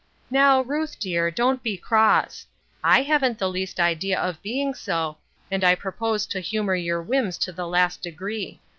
" Now, Ruth, dear, don't be cross. I haven't the least idea of being so, and I propose to humor your whims to the last degree.